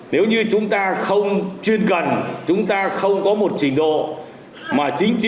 nếu như chúng ta không chuyên cần chúng ta không có một trình độ mà chính trị